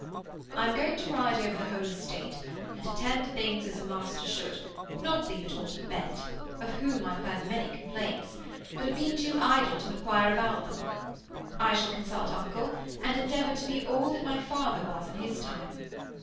"I'm going to ride over the whole estate, and attend to things as a master should; not leave it all to Bent, of whom I've heard many complaints, but have been too idle to inquire about them. I shall consult Uncle, and endeavor to be all that my father was in his time.